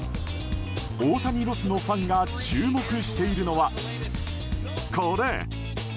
大谷ロスのファンが注目しているのは、これ。